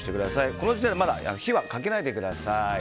この時点でまだ火はかけないでください。